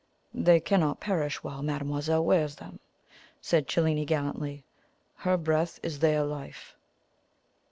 "They cannot perish while mademoiselle wears them," said Cellini gallantly. "Her breath is their life."